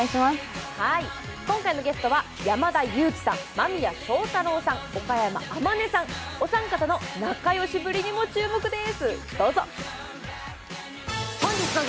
今回のゲストは山田裕貴さん、間宮祥太朗さん、岡山天音さん、お三方の仲良しぶりにも注目です。